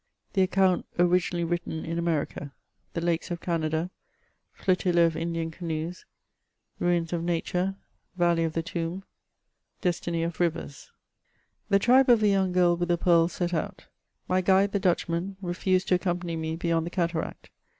THE ACCOUNT OBIOINALLT WRITTEN IK AMESICA — THE LAKE* Off CAMAPA — ^FLOTILLA OF INDIAN CANOES — BUIMS OF NATUBE' TAULEY OF THE TOMB— DESTINY OF BIYEBS. The tribe of tlie young girl with the pearls set out. My guide, the Dutchman, remsed to accompany me beyond the cataract.